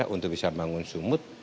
untuk bisa membangun sumut